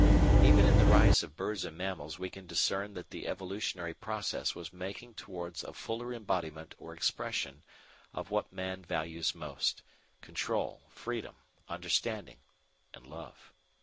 Even in the rise of Birds and Mammals we can discern that the evolutionary process was making towards a fuller embodiment or expression of what Man values most control, freedom, understanding, and love.